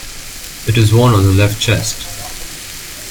It is worn on the left chest.